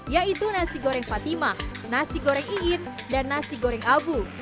yaitu nasi goreng fatimah nasi goreng iin dan nasi goreng abu